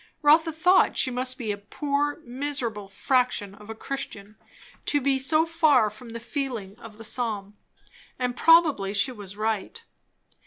Rotha thought she must be a poor, miserable fraction of a Christian, to be so far from the feeling of the psalm; and probably she was right.